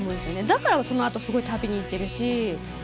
だからその後すごい旅に行ってるし。